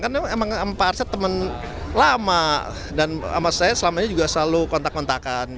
karena emang pak arsat temen lama dan sama saya selama ini juga selalu kontak kontakan